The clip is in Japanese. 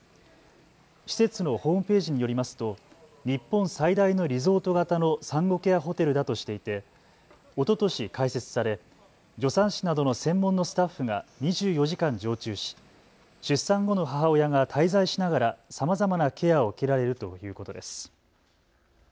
施設のホームページによりますと日本最大のリゾート型の産後ケアホテルだとしていておととし開設され助産師などの専門のスタッフが２４時間常駐し出産後の母親が滞在しながらさまざまなケアを受けられるということです。